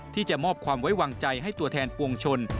ที่จะมอบความไว้วางใจให้ตัวแทนปวงชน